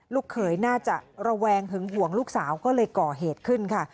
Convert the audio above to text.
ลูกเขยน่าจะระแวงหึงห่วงลูกสาวก็เลยก่อเหตุขึ้นค่ะ